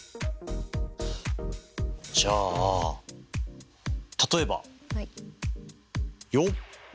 じゃあ例えばよっ！